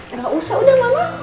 nggak usah udah mama